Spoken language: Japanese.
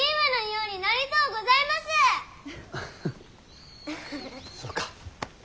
そうか。